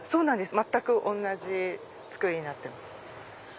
全く同じ作りになってます。